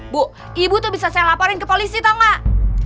bu ibu tuh bisa saya laporin ke polisi tau gak